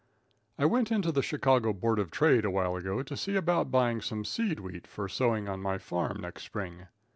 I went into the Chicago Board of Trade awhile ago to see about buying some seed wheat for sowing on my farm next spring.